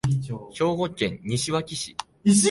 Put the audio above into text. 兵庫県西脇市